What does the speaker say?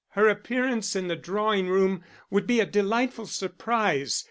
Her appearance in the drawing room would be a delightful surprise.